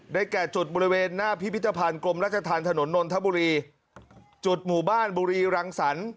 แก่จุดบริเวณหน้าพิพิธภัณฑ์กรมราชธรรมถนนนนทบุรีจุดหมู่บ้านบุรีรังสรรค์